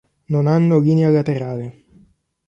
Non hanno linea laterale.